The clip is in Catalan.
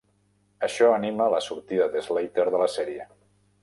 Això anima la sortida de Slater de la sèrie.